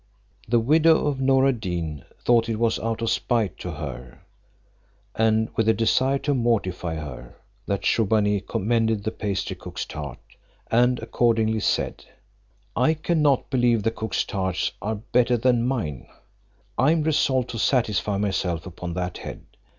The widow of Noor ad Deen thought it was out of spite to her, and with a desire to mortify her, that Shubbaunee commended the pastry cook's tart; and accordingly said, "I cannot believe the cook's tarts are better than mine; I am resolved to satisfy myself upon that head.